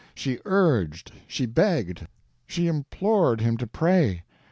She urged, she begged, she implored him to pray.